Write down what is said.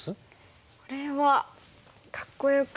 これはかっこよく。